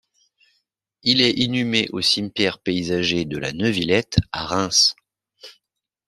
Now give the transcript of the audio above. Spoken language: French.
Il est inhumé au Cimetière Paysager de la Neuvillette à Reims.